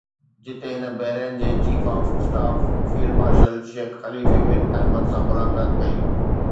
جتي هن بحرين جي chief of staff field marshal Sheikh Khalifa bin Ahmed سان ملاقات ڪئي